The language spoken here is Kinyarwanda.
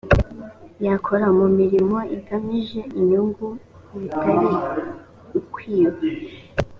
yakora mu mirimo igamije inyungu butari ukwiba